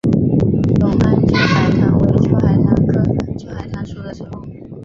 隆安秋海棠为秋海棠科秋海棠属的植物。